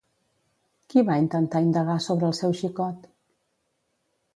Qui va intentar indagar sobre el seu xicot?